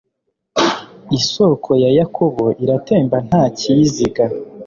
isoko ya yakobo iratemba nta kiyiziga